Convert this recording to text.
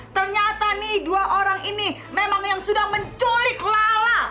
ternyata nih dua orang ini memang yang sudah mencolik lala